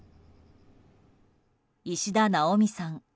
石田奈央美さん